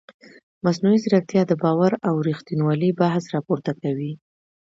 مصنوعي ځیرکتیا د باور او ریښتینولۍ بحث راپورته کوي.